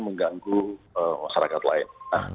mengganggu masyarakat lain